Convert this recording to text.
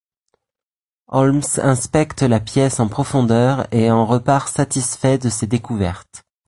Holmes inspecte la pièce en profondeur et en repart satisfait de ses découvertes.